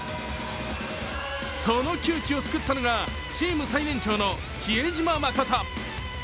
その窮地を救ったのがチーム最年長の比江島慎。